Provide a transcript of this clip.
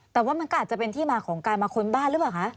แต่ว่ามันก็อาจจะเป็นที่มาของการมาค้นบ้านหรือเปล่าคะ